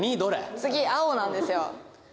次青なんですよ。